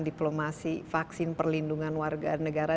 diplomasi vaksin perlindungan warga negara